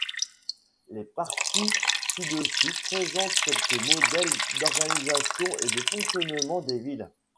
Les parties ci-dessous présentent quelques modèles d'organisation et de fonctionnement des villes.